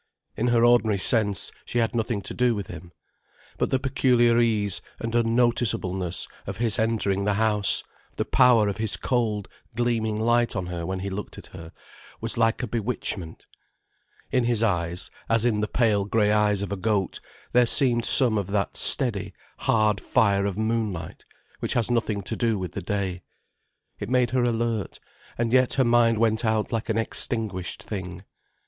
In her ordinary sense, she had nothing to do with him. But the peculiar ease and unnoticeableness of his entering the house, the power of his cold, gleaming light on her when he looked at her, was like a bewitchment. In his eyes, as in the pale grey eyes of a goat, there seemed some of that steady, hard fire of moonlight which has nothing to do with the day. It made her alert, and yet her mind went out like an extinguished thing.